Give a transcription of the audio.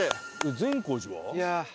善光寺は？